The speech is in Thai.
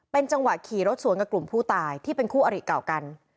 จังหวะขี่รถสวนกับกลุ่มผู้ตายที่เป็นคู่อริเก่ากัน